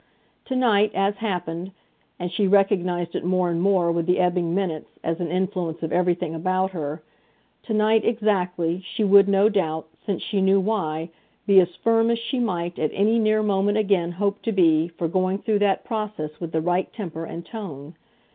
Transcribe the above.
To night, as happened and she recognised it more and more, with the ebbing minutes, as an influence of everything about her to night exactly, she would, no doubt, since she knew why, be as firm as she might at any near moment again hope to be for going through that process with the right temper and tone.